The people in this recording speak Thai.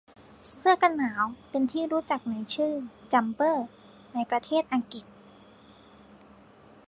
เสื้อกันหนาวเป็นที่รู้จักกันในชื่อ “จั๊มเปอร์” ในประเทษอังกฤษ